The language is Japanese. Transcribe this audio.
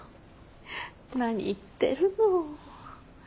何言ってるの。